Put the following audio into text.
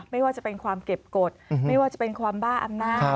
ไม่ว่าจะเป็นความเก็บกฎไม่ว่าจะเป็นความบ้าอำนาจ